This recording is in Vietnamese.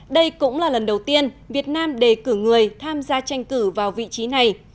đây cũng là lần đầu tiên việt nam đề cử người tham gia tranh cử vào vị trí này